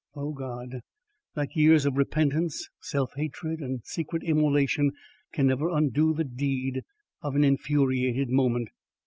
O God! that years of repentance, self hatred and secret immolation can never undo the deed of an infuriated moment.